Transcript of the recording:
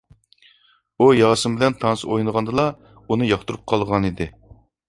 ئۇ ياسىن بىلەن تانسا ئوينىغاندىلا ئۇنى ياقتۇرۇپ قالغانىدى.